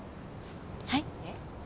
はい？えっ？